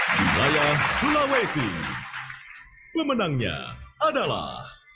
wilayah sulawesi pemenangnya adalah